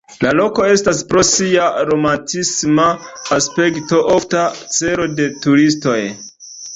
La loko estas pro sia romantisma aspekto ofta celo de turistoj.